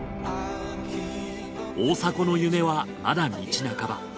大迫の夢はまだ道半ば。